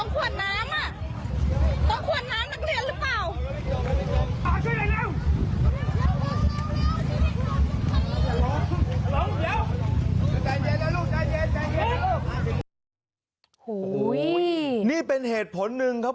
คุณผู้ชมครับ